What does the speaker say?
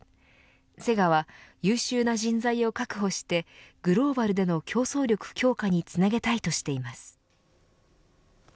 セガは、優秀な人材を確保してグローバルでの競争力強化につなげたいとしています。